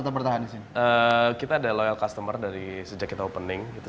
tapi berapa pengaruh terhadap omzet